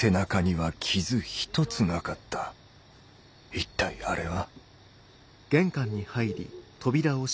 一体あれは。